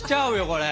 これ。